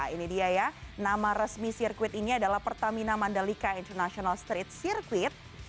ini dia ya nama resmi sirkuit ini adalah pertamina mandalika international street circuit